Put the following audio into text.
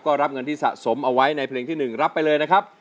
ก็รับเงินที่สะสมเอาไว้ในเพลงที่๑รับไปเลยนะครับ